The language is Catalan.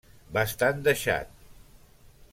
Bastant deixat.